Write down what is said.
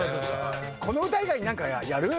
この歌以外に何かやる？